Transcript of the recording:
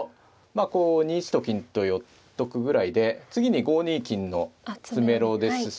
こう２一と金と寄っとくぐらいで次に５二金の詰めろですし。